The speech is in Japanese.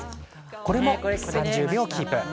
これも３０秒キープ。